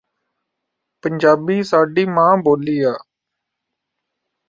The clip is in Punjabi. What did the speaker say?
ਪੰਜਾਬੀ ਸਾਡੀ ਮਾਂ ਬੋਲੀ ਆ